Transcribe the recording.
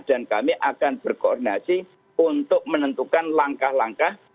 dan kami akan berkoordinasi untuk menentukan langkah langkah